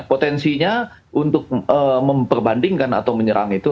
potensinya untuk memperbandingkan atau menyerang itu